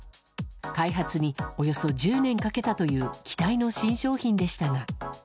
開発におよそ１０年かけたという期待の新商品でしたが。